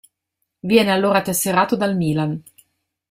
Viene allora tesserato dal Milan.